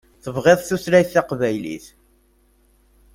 Tebɣiḍ tutlayt taqbaylit.